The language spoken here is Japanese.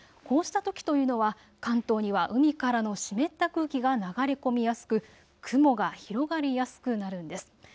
こうしたときというのは関東には海からの湿った空気が流れ込みやすく、雲が広がりやすくなるんです。